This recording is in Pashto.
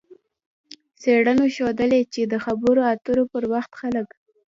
څېړنو ښودلې چې د خبرو اترو پر وخت خلک